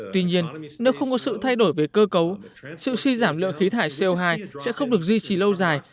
tuy nhiên nếu không có sự thay đổi về cơ cấu sự suy giảm lượng khí thải co hai sẽ không được duy trì lâu dài